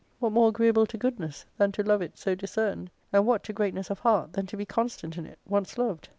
What more agreeable to goodness than to love it so discerned? and what to greatness of heart than to be constant in it, once loved